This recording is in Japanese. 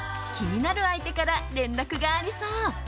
気になる相手から連絡がありそう。